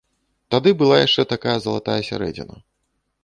Тады была яшчэ такая залатая сярэдзіна.